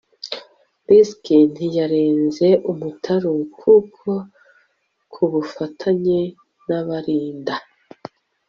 Rick ntiyarenze umutaru kuko kubufatanye nabarinda